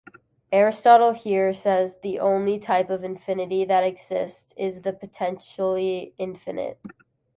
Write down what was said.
Aristotle here says the only type of infinity that exists is the potentially infinite.